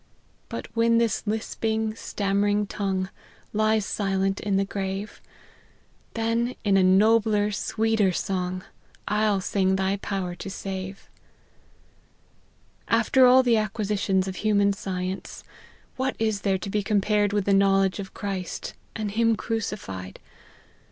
' But when this lisping, stammering tongue Lies silent in the grave, Then, in a nobler, sweeter song, I'll sing thy power to save. 1 " After all the acquisitions of human science, what is there to be compared with the knowledge of Christ, and him crucified